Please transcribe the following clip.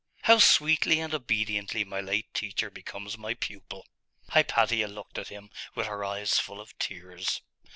'How sweetly and obediently my late teacher becomes my pupil!' Hypatia looked at him with her eyes full of tears.